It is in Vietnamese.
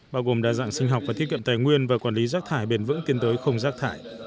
bao gồm đa dạng sinh học và thiết kiệm tài nguyên và quản lý rác thải bền vững tiến tới không rác thải